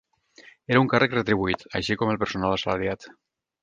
Era un càrrec retribuït, així com el personal assalariat.